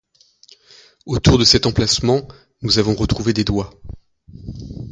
Autour de cet emplacement, nous avons retrouvé des doigts.